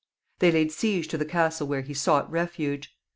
They laid siege to the castle where he sought refuge.